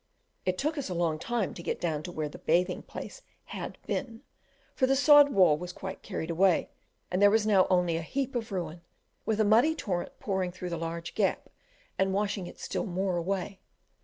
It took us a long time to get down to where the bathing place had been, for the sod wall was quite carried away, and there was now only a heap of ruin, with a muddy torrent pouring through the large gap and washing it still more away.